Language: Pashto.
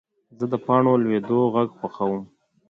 زه د پاڼو لوېدو غږ خوښوم.